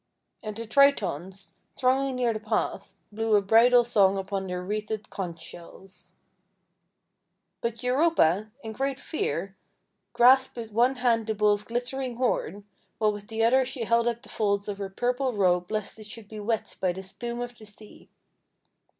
And the Tritons, thronging near the path, blew a bridal song upon their wreathed conch shells. THE SNOW WHITE BULL 403 But Europa, in great fear, grasped with one hand the Bull's glittering horn, while with the other she held up the folds of her purple robe lest it should be wet by the spume of the sea.